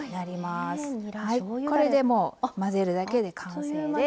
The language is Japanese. これでもう混ぜるだけで完成です。